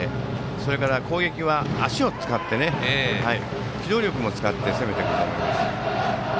それから攻撃は足を使って機動力も使って攻めてくると思います。